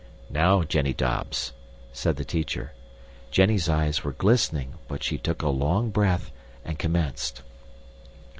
'" "Now, Jenny Dobbs," said the teacher. Jenny's eyes were glistening, but she took a long breath and commenced.